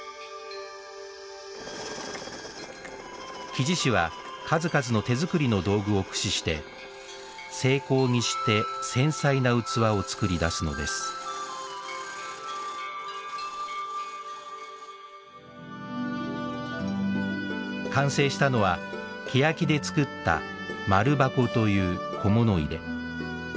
木地師は数々の手作りの道具を駆使して精巧にして繊細な器を作り出すのです完成したのはケヤキで作った丸筥という小物入れ。